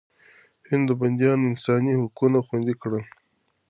هغه د بنديانو انساني حقونه خوندي کړل.